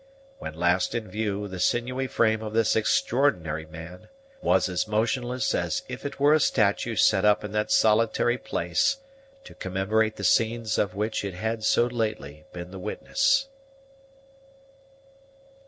When last in view, the sinewy frame of this extraordinary man was as motionless as if it were a statue set up in that solitary place to commemorate the scenes of which it had so lately been the witness.